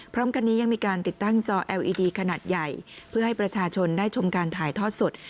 พร้อมกันนี้ยังมีการติดตั้งจอเอลอีดีขนาดใหญ่เพื่อให้ประชาชนได้ชมการถ่ายทอดสด